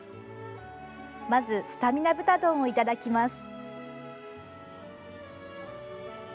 まず、スタミナ豚丼をいただきます。